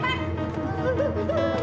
gila bener nah